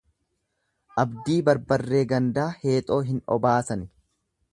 Abdii barbarree gandaa heexoo hin obaasani.